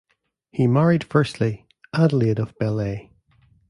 He married firstly, Adelaide of Bellay.